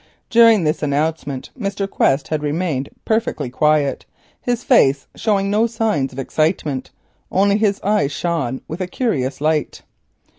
During this announcement Mr. Quest had remained perfectly quiet, his face showing no signs of excitement, only his eyes shone with a curious light.